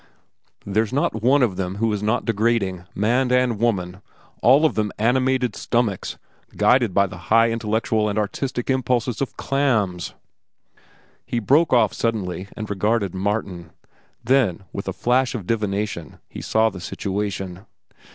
There's not one of them who is not degrading, man and woman, all of them animated stomachs guided by the high intellectual and artistic impulses of clams—" He broke off suddenly and regarded Martin. Then, with a flash of divination, he saw the situation.